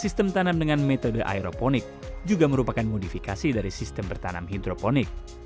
sistem tanam dengan metode aeroponik juga merupakan modifikasi dari sistem bertanam hidroponik